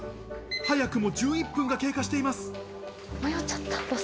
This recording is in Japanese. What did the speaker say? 早くも１１分が経過しています。